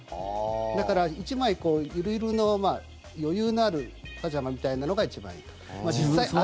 だから１枚、ゆるゆるの余裕のあるパジャマみたいなのが一番いい。